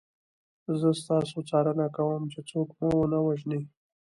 زه ستاسو څارنه کوم چې څوک مو ونه وژني